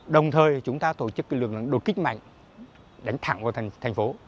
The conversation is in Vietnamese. đồng thời chúng ta tổ chức lực lượng đột kích mạnh đánh thẳng vào thành phố